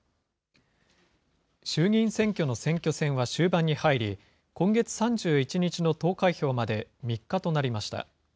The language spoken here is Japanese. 衆議院選挙の選挙戦は終盤に入り、今月３１日の投開票まで３日となりました。